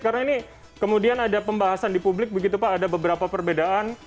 karena ini kemudian ada pembahasan di publik begitu pak ada beberapa perbedaan